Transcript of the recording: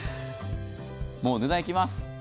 もう値段、いきます。